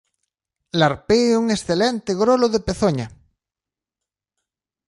Larpei un excelente grolo de pezoña.